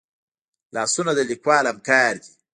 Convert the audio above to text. لاسونه د لیکوال همکار دي